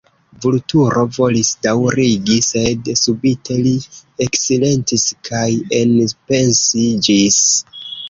Vulturo volis daŭrigi, sed subite li eksilentis kaj enpensiĝis.